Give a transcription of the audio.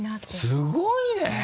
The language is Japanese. すごいね！